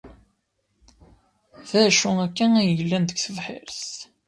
D acu akka ay yellan deg tebḥirt?